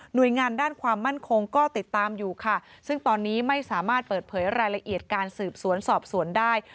โดยงานด้านความมั่นคงก็ติดตามอยู่ค่ะซึ่งตอนนี้ไม่สามารถเปิดเผยรายละเอียดการสืบสวนสอบสวนได้